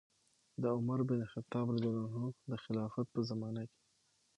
د عمر بن الخطاب رضي الله عنه د خلافت په زمانه کې